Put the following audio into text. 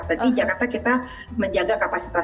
berarti jakarta kita menjaga kapasitas